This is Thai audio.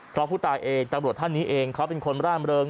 เพราะผู้ตายเองตำรวจท่านนี้เองเขาเป็นคนร่ามเริง